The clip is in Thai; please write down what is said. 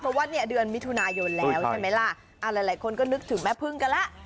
เพราะว่าเนี่ยเดือนมิถุนายนแล้วใช่ไหมล่ะหลายคนก็นึกถึงแม่พึ่งกันแล้ว